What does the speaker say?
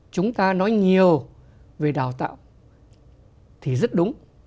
chúng ta nói nhiều về đào tạo thì rất đúng